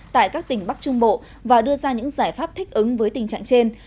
tại các tỉnh bắc trung bộ và đưa ra những giải pháp thích ứng với tình trạng trên